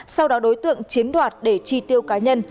sau đó đối tượng chiếm đoạt để chi tiêu cá nhân